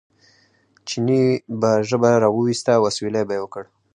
چیني به ژبه را وویسته او اسوېلی به یې وکړ.